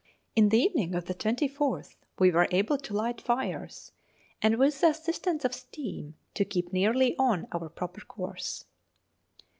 In the evening of the 24th we were able to light fires, and, with the assistance of steam, to keep nearly on our proper course.